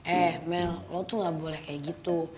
eh mel lo tuh gak boleh kayak gitu